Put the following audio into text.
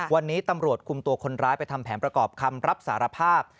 วันนี้ตำรวจคุมตัวคนร้ายไปทำแผนประกอบคำรับสารภาพ